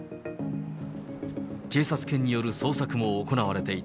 警察犬による捜索も行われていた。